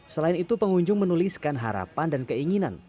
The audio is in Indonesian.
selain itu pengunjung menuliskan harapan dan keinginan